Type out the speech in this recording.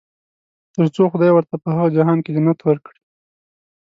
تر څو خدای ورته په هغه جهان کې جنت ورکړي.